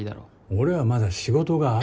俺はまだ仕事がある。